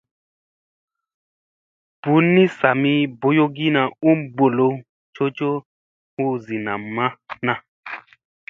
Bunni sami boyogina um bolow coco hu zi namma na.